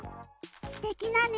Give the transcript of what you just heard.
すてきなね